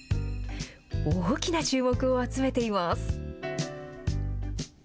大きな注目を集めています。